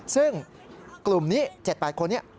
ซึ่งกลุ่มนี้๗๘คนนี้